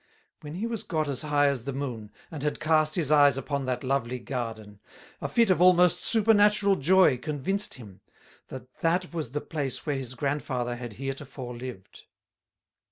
When he was got as high as the Moon, and had cast his Eyes upon that lovely Garden, a fit of almost supernatural Joy convinced him, that that was the place where his Grandfather had heretofore lived.